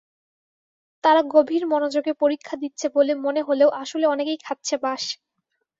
তারা গভীর মনোযোগে পরীক্ষা দিচ্ছে বলে মনে হলেও আসলে অনেকেই খাচ্ছে বাঁশ।